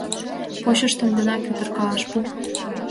Почыштым гына пӱтыркалаш пу...